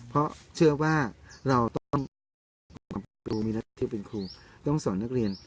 เพราะเชื่อว่าเราต้องเป็นครูมีหน้าที่เป็นครูต้องสอนนักเรียน